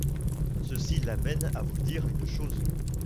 Ceci m'amène à vous dire une chose.